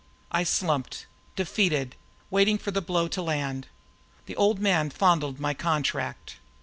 I slumped, defeated, waiting for the blow to land. The Old Man fondled my contract.